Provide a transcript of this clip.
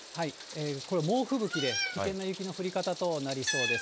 これ、猛吹雪で、危険な雪の降り方となりそうです。